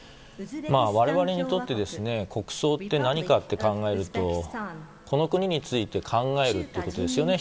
我々にとって国葬って何かと考えると、この国について考えるってことですよね。